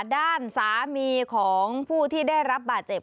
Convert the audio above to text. ด้านสามีของผู้ที่ได้รับบาดเจ็บ